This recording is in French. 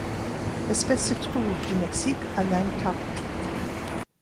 L'espèce se trouve du Mexique à l'Antarctique.